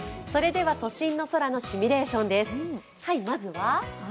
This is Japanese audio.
都心の空のシミュレーションです。